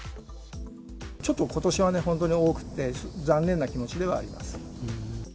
ちょっとことしはね、本当に多くて、残念な気持ちではあります。